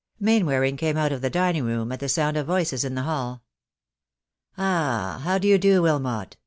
Mainwaring came out of the dining room at the sound of voices in the hall. "Ah, how do you do, Wilmot?